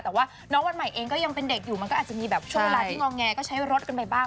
แต่ว่าน้องวันใหม่เองก็ยังเป็นเด็กอยู่มันก็อาจจะมีแบบช่วงเวลาที่งอแงก็ใช้รถกันไปบ้าง